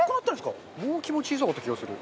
中丸：もう気持ち小さかった気がする。